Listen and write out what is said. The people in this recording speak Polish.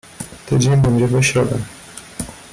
"Tydzień będzie we środę..."